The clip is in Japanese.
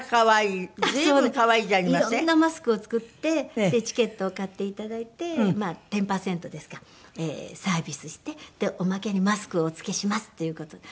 いろんなマスクを作ってチケットを買っていただいてまあ１０パーセントですかサービスしておまけにマスクをお付けしますっていう事で。